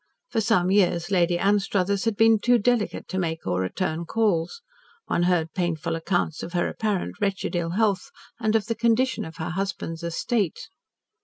For some years Lady Anstruthers had been too delicate to make or return calls. One heard painful accounts of her apparent wretched ill health and of the condition of her husband's estate.